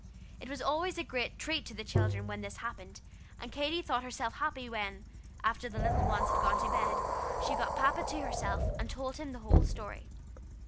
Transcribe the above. It was always a great treat to the children when this happened, and Katy thought herself happy when, after the little ones had gone to bed, she got Papa to herself, and told him the whole story.